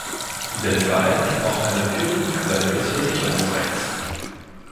Der Fall ist auch eine führende Quelle des Versicherungsrechts.